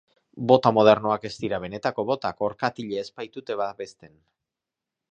Bota modernoak ez dira benetako botak, orkatila ez baitute babesten.